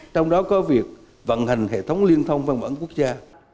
trong đó có việc vận hành hệ thống liên thông văn bản quốc gia